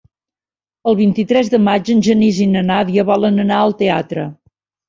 El vint-i-tres de maig en Genís i na Nàdia volen anar al teatre.